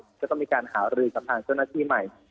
ก็ต้องมีการหารือกับทางเจ้าหน้าที่ใหม่